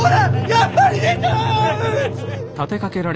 やっぱり出た！